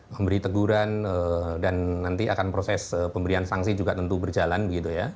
memberi teguran dan nanti akan proses pemberian sanksi juga tentu berjalan begitu ya